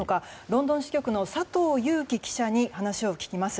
ロンドン支局の佐藤裕樹記者に話を聞きます。